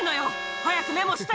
早くメモして。